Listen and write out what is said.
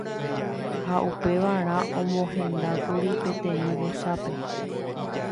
ha upevarã omohendákuri peteĩ vosápe